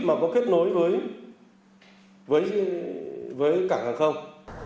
mà có kết nối với cảng hàng không